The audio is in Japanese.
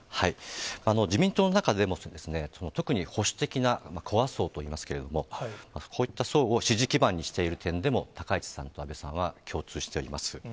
自民党の中でも、特に保守的なコア層といいますけれども、こういった層を支持基盤にしている点でも、高市さんと安倍さんは共通しています。